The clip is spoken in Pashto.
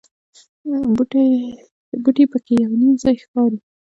بوټي په کې یو نیم ځای ښکاري.